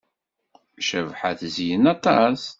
Cabḥa tezyen aṭas.